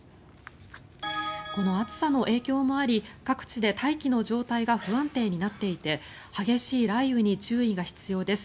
この暑さの影響もあり各地で大気の状態が不安定になっていて激しい雷雨に注意が必要です。